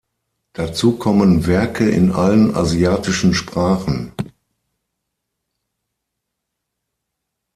Dazu kommen Werke in allen asiatischen Sprachen.